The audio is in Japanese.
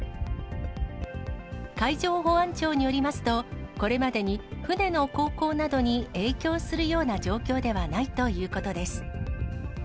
海上保安庁によりますと、これまでに船の航行などに影響するような状況ではないということです。